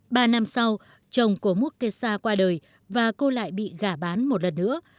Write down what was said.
ba năm sau chồng của mulesa qua đời và cô lại bị gả bán một lần nữa